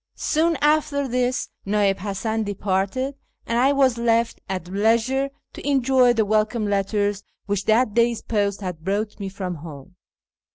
Soon after this Na'ib Hasan departed, and I was left at leisure to enjoy the welcome letters which that day's post had brought me from home.